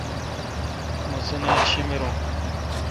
مہ سنالا شیمرون۔